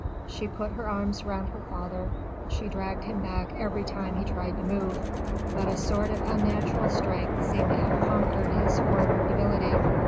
She put her arms round her father: she dragged him back every time that he tried to move. But a sort of unnatural strength seemed to have conquered his former debility.